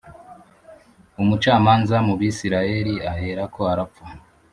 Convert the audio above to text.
umucamanza mu Bisirayeli aherako arapfa